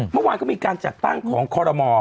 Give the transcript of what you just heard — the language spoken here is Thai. เมื่อวานก็มีการจัดตั้งของคอรมอ